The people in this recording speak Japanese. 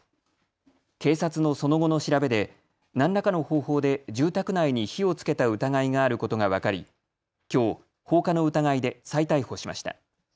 警察のその後の調べで何らかの方法で住宅内に火をつけた疑いがあることが分かり、きょう放火の疑いで再逮捕しました。